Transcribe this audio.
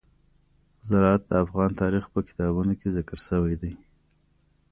زراعت د افغان تاریخ په کتابونو کې ذکر شوی دي.